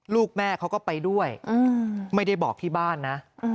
ลูกแม่เขาก็ไปด้วยไม่ได้บอกที่บ้านนะ